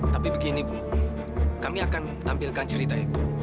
tapi begini bu kami akan tampilkan cerita itu